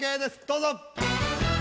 どうぞ。